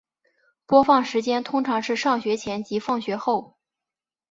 播放时间通常是上学前及放学后。